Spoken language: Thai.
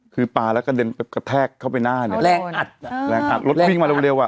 คือปลาแล้วกระเด็นกระแทกเข้าไปหน้าเนี่ยแรงอัดอ่ะแรงอัดรถวิ่งมาเร็วอ่ะ